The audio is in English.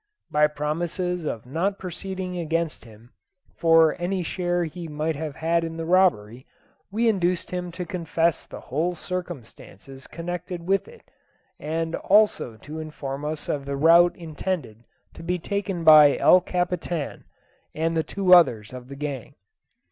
By promises of not proceeding against him, for any share he might have had in the robbery, we induced him to confess the whole circumstances connected with it, and also to inform us of the route intended to be taken by El Capitan and the two others of the gang.